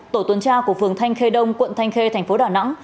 tổ tuần tra của phường thanh khê đông quận thanh khê thành phố đà nẵng